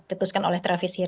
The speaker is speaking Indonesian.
yang ditutupkan oleh travis hill